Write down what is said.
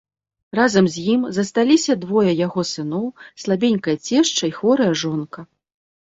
Разам з ім засталіся двое яго сыноў, слабенькая цешча і хворая жонка.